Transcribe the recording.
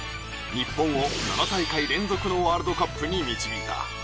日本を７大会連続のワールドカップに導いた。